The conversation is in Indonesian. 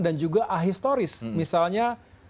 dan juga ahistoris misalnya